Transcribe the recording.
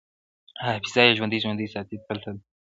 حافظه يې ژوندۍ ساتي تل تل,